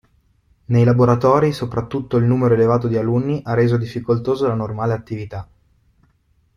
Nei laboratori soprattutto il numero elevato di alunni ha reso difficoltoso la normale attività.